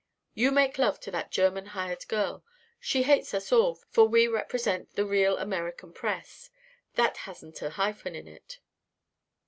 "You make love to that German hired girl. She hates us all, for we represent the real American press that hasn't a hyphen in it.